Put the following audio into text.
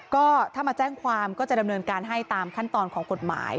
ก็ถ้ามาแจ้งความก็จะดำเนินการให้ตามขั้นตอนของกฎหมาย